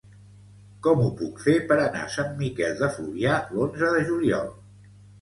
Com ho puc fer per anar a Sant Miquel de Fluvià l'onze de juliol?